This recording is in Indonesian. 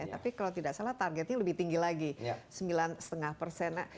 tapi kalau tidak salah targetnya lebih tinggi lagi sembilan lima persen